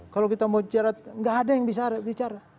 kalau kita mau bicara nggak ada yang bicara